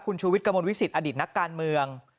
คุณชูวิทย์กระมวลวิสิตอดิตนักการเมือง